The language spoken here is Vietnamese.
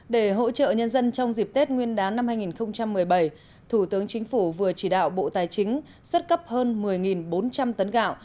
để hỗ trợ nhân dân trong dịp tết nguyên đán năm hai nghìn một mươi bảy thủ tướng chính phủ vừa chỉ đạo bộ tài chính xuất cấp hơn một mươi bốn trăm linh tấn gạo